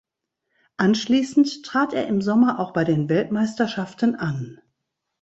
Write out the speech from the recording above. Anschließend trat er im Sommer auch bei den Weltmeisterschaften an.